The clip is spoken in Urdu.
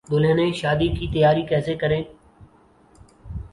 دلہنیں شادی کی تیاری کیسے کریں